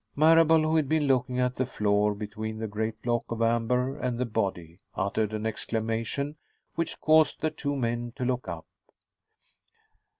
Marable, who had been looking at the floor between the great block of amber and the body, uttered an exclamation which caused the two men to look up.